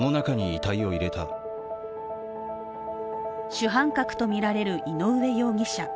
主犯格とみられる井上容疑者。